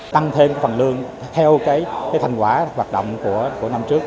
tăng thêm phần lương theo thành quả hoạt động của năm trước